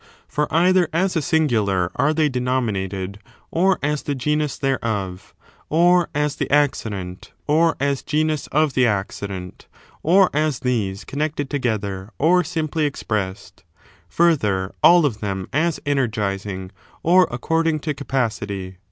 For either as a singular are they denominated, or as the genus thereof, or as the accident, or as genus of the accident, or as these connected together or simply expressed ; further, all of them as enei^izing, or according to capacity.